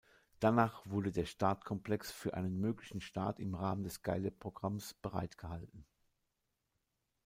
Danach wurde der Startkomplex für einen möglichen Start im Rahmen des Skylab-Programms bereitgehalten.